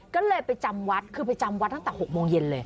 ก็เลยไปจำวัดคือไปจำวัดตั้งแต่๖โมงเย็นเลย